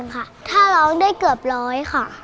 ภาษาร้องได้เกือบร้อยค่ะ